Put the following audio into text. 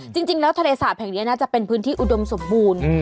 จริงแล้วทะเลสาปแห่งนี้น่าจะเป็นพื้นที่อุดมสมบูรณ์